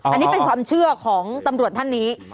อันนี้เป็นความเชื่อของตำรวจท่านนี้